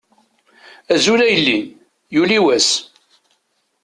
Azul a yelli, yuli wass!